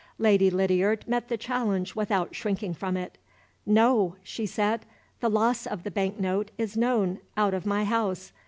Lady Lydiard met the challenge without shrinking from it. "No!" she said. "The loss of the bank note is known out of my house.